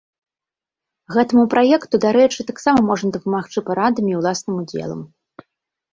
Гэтаму праекту, дарэчы, таксама можна дапамагчы парадамі і ўласным удзелам.